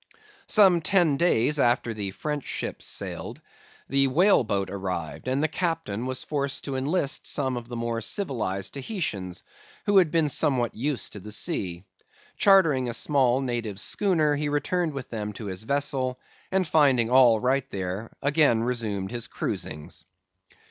"Some ten days after the French ships sailed, the whale boat arrived, and the captain was forced to enlist some of the more civilized Tahitians, who had been somewhat used to the sea. Chartering a small native schooner, he returned with them to his vessel; and finding all right there, again resumed his cruisings.